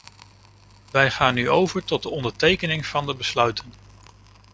Wij gaan nu over tot de ondertekening van de besluiten.